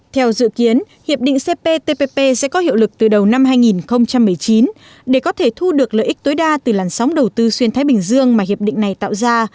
theo dự kiến hiệp định cptpp sẽ có hiệu lực từ đầu năm hai nghìn một mươi chín để có thể thu được lợi ích tối đa từ làn sóng đầu tư xuyên thái bình dương mà hiệp định này tạo ra